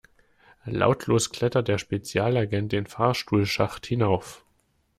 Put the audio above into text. Lautlos klettert der Spezialagent den Fahrstuhlschacht hinauf.